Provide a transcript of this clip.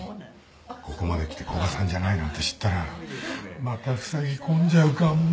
ここまできて古賀さんじゃないなんて知ったらまたふさぎ込んじゃうかも。